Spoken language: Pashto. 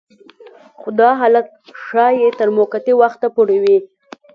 خو دا حالت ښايي تر موقتي وخته پورې وي